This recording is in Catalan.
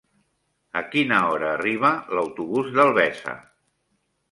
A quina hora arriba l'autobús d'Albesa?